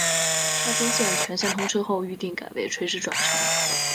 沙中线全线通车后预定改为垂直转乘。